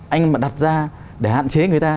anh mà đặt ra để hạn chế người ta